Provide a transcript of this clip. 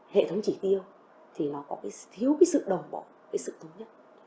hệ thống chỉ tiêu thì nó có cái thiếu cái sự đồng bộ cái sự thống nhất